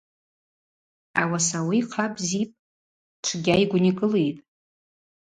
Ауаса ауи йхъа бзипӏ, чвгьа йгвникӏылитӏ.